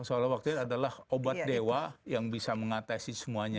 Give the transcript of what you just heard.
soalnya vaksin ini adalah obat dewa yang bisa mengatasi semuanya